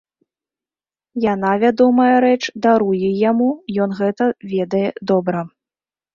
Яна, вядомая рэч, даруе яму, ён гэта ведае добра.